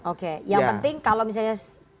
oke yang penting kalau misalnya